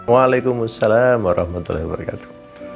waalaikumsalam warahmatullahi wabarakatuh